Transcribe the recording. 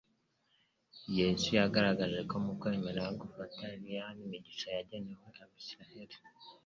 Yesu yagaragaje ko mu kwemera gufatariya n'imigisha yagenewe abisiraeli